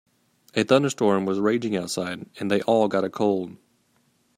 A thunderstorm was raging outside and they all got a cold.